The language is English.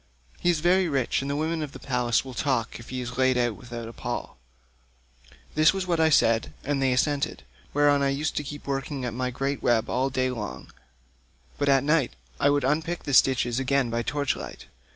He is very rich, and the women of the place will talk if he is laid out without a pall.' This was what I said, and they assented; whereon I used to keep working at my great web all day long, but at night I would unpick the stitches again by torch light.